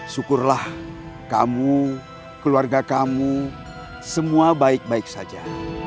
syukurlah kamu keluarga kamu semua baik baik saja